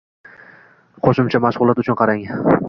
Qo‘shimcha ma’lumot uchun qarang